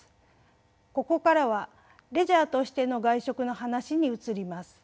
ここからはレジャーとしての外食の話に移ります。